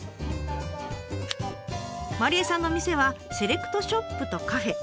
麻梨絵さんの店はセレクトショップとカフェ。